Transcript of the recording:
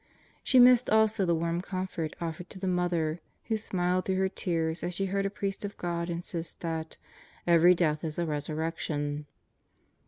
She missed also the warm comfort offered to the mother, who smiled through her tears as she heard a priest of God insist that "every death is a resurrection."